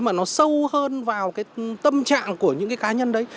mà nó sâu hơn vào cái tâm trạng của những cái cá nhân đấy